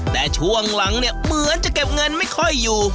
แต่ช่วงหลังเนี่ยเหมือนจะเก็บเงินไม่ค่อยอยู่